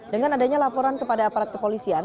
dengan adanya laporan kepada aparat kepolisian